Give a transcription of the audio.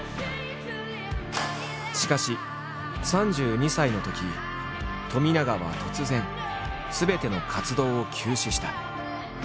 しかし３２歳のとき冨永は突然すべての活動を休止した。